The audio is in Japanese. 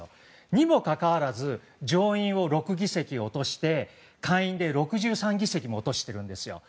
にもかかわらず上院を６議席落として下院で６３議席も落としてるんですよ。